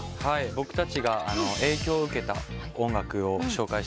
僕たちが影響を受けた音楽を紹介したいと思ってまして。